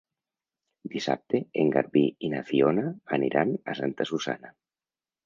Dissabte en Garbí i na Fiona aniran a Santa Susanna.